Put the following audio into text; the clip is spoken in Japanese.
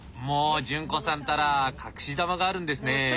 もう潤子さんたら隠し球があるんですね。